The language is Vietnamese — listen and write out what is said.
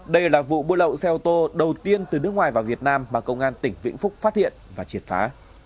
đây là vụ buôn lậu xe ô tô đầu tiên từ nước ngoài vào việt nam mà công an tỉnh vĩnh phúc phát hiện và triệt phá